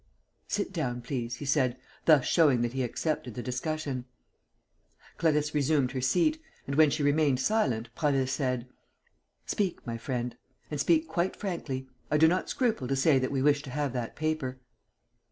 "Sit down, please," he said, thus showing that he accepted the discussion. Clarisse resumed her seat and, when she remained silent, Prasville said: "Speak, my friend, and speak quite frankly. I do not scruple to say that we wish to have that paper."